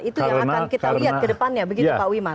itu yang akan kita lihat ke depannya begitu pak wimar